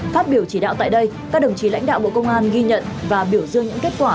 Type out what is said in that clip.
phát biểu chỉ đạo tại đây các đồng chí lãnh đạo bộ công an ghi nhận và biểu dương những kết quả